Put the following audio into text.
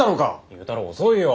勇太郎遅いよ！